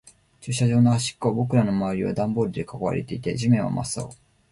駐車場の端っこ。僕らの周りはダンボールで囲われていて、地面は真っ青。